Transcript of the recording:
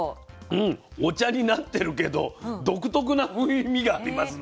うんお茶になってるけど独特な風味がありますね。